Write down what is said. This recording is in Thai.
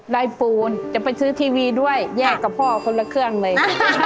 ปูนจะไปซื้อทีวีด้วยแยกกับพ่อคนละเครื่องเลย